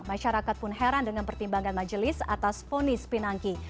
masyarakat pun heran dengan pertimbangan majelis atas ponis pinangki